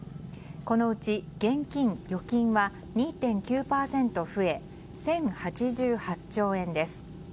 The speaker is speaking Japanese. このうち現金・預金は２．９％増え１０８８兆円です。